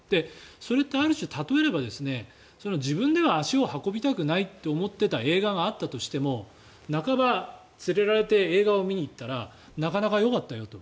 それってある種、例えば自分で足を運びたくないと思っていた映画があったとしても半ば連れられて映画を見に行ったらなかなかよかったよと。